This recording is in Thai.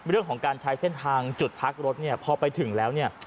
เรื่องของการใช้เส้นทางจุดพักรถเนี่ยพอไปถึงแล้วเนี่ย